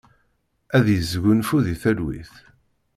Ad yesgunfu di talwit.